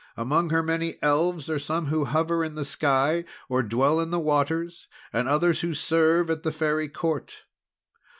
Among her many Elves are some who hover in the sky, or dwell in the waters, and others who serve at the Fairy Court.